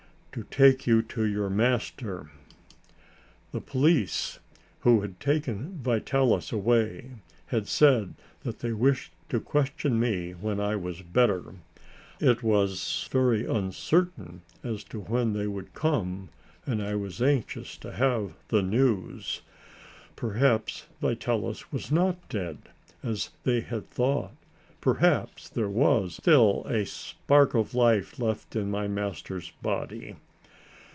"To take you to your master." The police, who had taken Vitalis away, had said that they wished to question me when I was better. It was very uncertain as to when they would come, and I was anxious to have news. Perhaps Vitalis was not dead as they had thought. Perhaps there was still a spark of life left in my master's body.